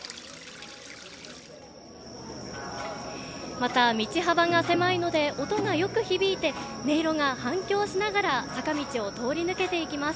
また、道幅が狭いので音がよく響いて音色が反響しながら坂道を通り抜けていきます。